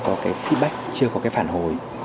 có cái feedback chưa có cái phản hồi